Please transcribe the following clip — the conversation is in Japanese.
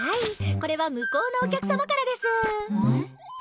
これは向こうのお客様からです。